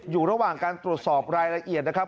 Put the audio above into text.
อยู่ระหว่างการตรวจสอบรายละเอียดนะครับ